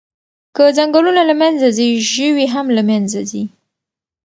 که ځنګلونه له منځه ځي، ژوي هم له منځه ځي.